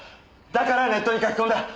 だからネットに書き込んだ。